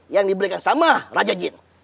yang diberikan sama raja jin